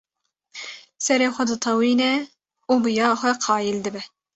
Serê xwe ditewîne û bi ya xwe qayîl dibe.